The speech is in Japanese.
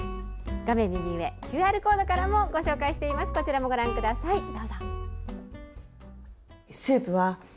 画面右上のＱＲコードからもご紹介していますのでご覧ください。